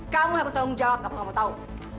kamu harus tanggung jawab aku nggak mau tahu